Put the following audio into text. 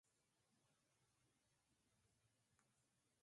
زه عکس اخلم